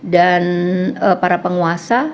dan para penguasa